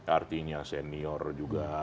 artinya senior juga